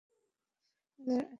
ওদেরকে আটকে রাখো।